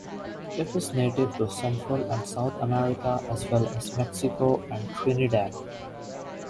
It is native to Central and South America as well as Mexico and Trinidad.